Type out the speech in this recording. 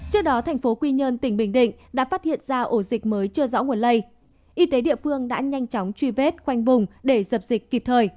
trước đó thành phố quy nhơn tỉnh bình định đã phát hiện ra ổ dịch mới chưa rõ nguồn lây